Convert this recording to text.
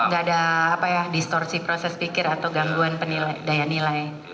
gak ada distorsi proses pikir atau gangguan daya nilai